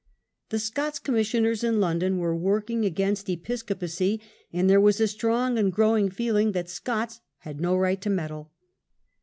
The Scots commissioners in London were working against Episcopacy, and there was a strong and growing feeling that Scots had no right to meddle.